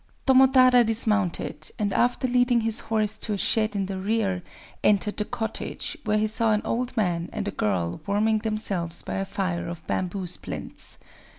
Tomotada dismounted, and after leading his horse to a shed in the rear, entered the cottage, where he saw an old man and a girl warming themselves by a fire of bamboo splints.